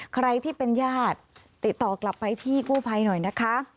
ใครที่เป็นญาติติดต่อกลับไปที่กู้ภัยหน่อยนะคะ